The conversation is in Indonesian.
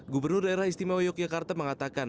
gubernur daerah istimewa yogyakarta mengatakan